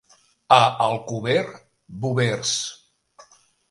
A Alcover, bovers.